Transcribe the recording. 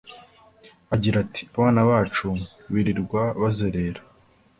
Agira ati “Abana bacu birirwa bazerera